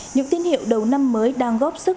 những tiên hiệu đầu năm mới đang góp sức